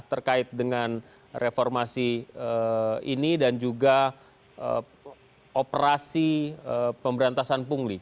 terkait dengan reformasi ini dan juga operasi pemberantasan pungli